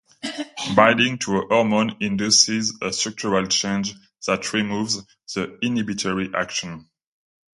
Binding to a hormone induces a structural change that removes the inhibitory action.